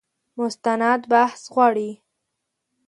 مستند بحث غواړي.